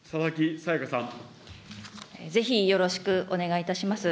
ぜひ、よろしくお願いいたします。